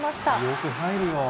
よく入るよ。